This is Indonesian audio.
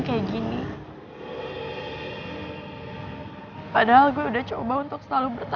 dari awal gue dibully